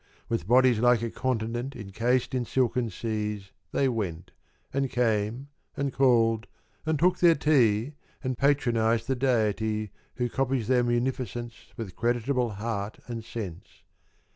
With bodies like a continent Encased in silken seas, they went, And came, and called, and took their tea And patronised the Deity Who copies their munificence With creditable heart and sense.